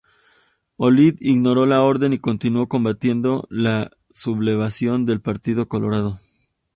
Olid ignoró la orden y continuó combatiendo la sublevación del Partido Colorado.